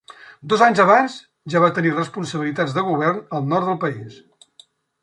Dos anys abans ja va tenir responsabilitats de govern al nord del país.